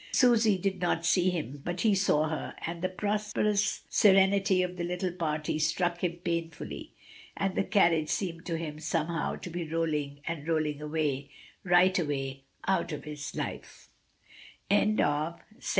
Susy did no see him, but he saw her, and the prosperous serenity of the little party struck him painfully, and the carriage seemed to him some how to be rolling and rolling away, right away out of his life.